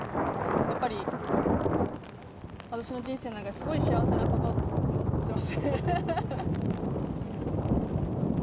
私の人生の中ですごい幸せなことだと、すみません。